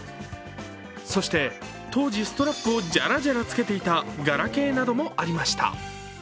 そして、当時ストラップをじゃらじゃらつけていたガラケーなどもありました。